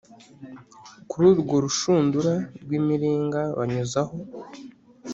Kuri urwo rushundura rw imiringa banyuzaho